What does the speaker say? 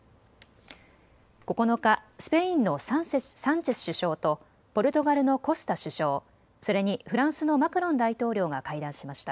９日、スペインのサンチェス首相とポルトガルのコスタ首相、それにフランスのマクロン大統領が会談しました。